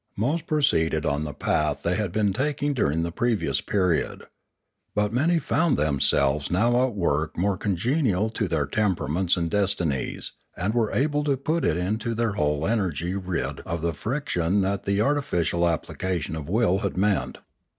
Most proceeded on the path they had been taking during the previous period. But many found themselves now at work more congenial to their temperaments and destinies, and were able to put int© it their whole energy rid of the friction that the artificial application of will had meant.